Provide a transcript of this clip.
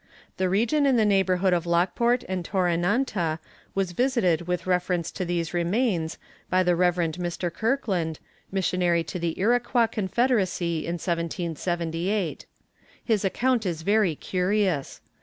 The region in the neighbourhood of Lockport and Torenanta was visited with reference to these remains by the Rev. Mr. Kirkland, missionary to the Iroquois confederacy, in 1778. His account is very curious.